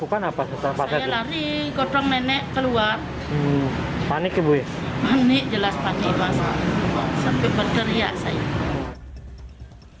panik jelas panik mas sampai berteriak saya